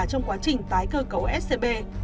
trong quá trình tái cơ cấu scb